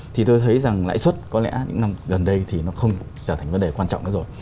thì tôi thấy rằng lãi suất có lẽ những năm gần đây thì nó không trở thành vấn đề quan trọng nữa rồi